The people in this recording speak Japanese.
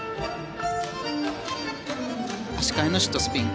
足換えのシットスピン。